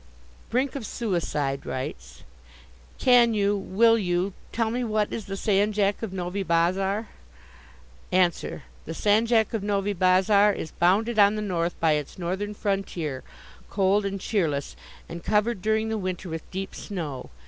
"Brink of Suicide" writes: Can you, will you, tell me what is the Sanjak of Novi Bazar? Answer. The Sanjak of Novi Bazar is bounded on the north by its northern frontier, cold and cheerless, and covered during the winter with deep snow.